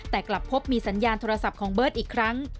แต่กลับพบมีสัญญาณโทรศัพท์ของเบิร์ตอีกครั้ง